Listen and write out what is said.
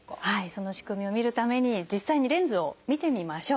その仕組みを見るために実際にレンズを見てみましょう。